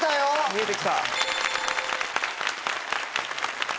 見えてきた！